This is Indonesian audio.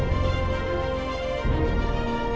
fahri harus tau nih